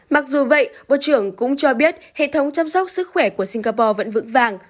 mặc dù vậy bộ trưởng cũng cho biết hệ thống chăm sóc sức khỏe của singapore vẫn vững vàng